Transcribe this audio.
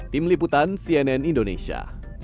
tim liputan cnn indonesia